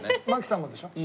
槙さんもでしょ？